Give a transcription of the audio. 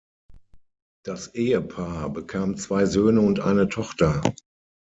Das Ehepaar bekam zwei Söhne und eine Tochter.